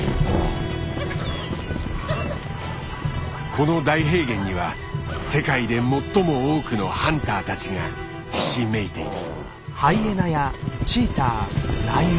この大平原には世界で最も多くのハンターたちがひしめいている。